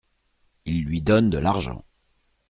Il lui donne de l’argent.